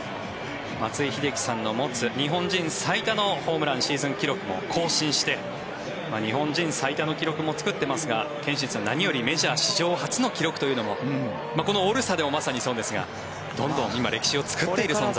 松井秀喜さんが持つ日本人最多のホームランシーズン記録も更新して、日本人最多の記録も作っていますが何より史上初の記録というのもこのオールスターもまさにそうですがどんどん今、歴史を作っている存在。